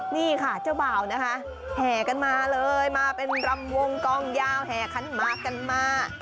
นี่ค่ะเจ้าบ่าวนะคะแห่กันมาเลยมาเป็นรำวงกองยาวแห่ขันหมากกันมา